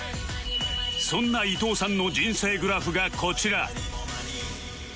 そんな伊藤さんの人生グラフがこちら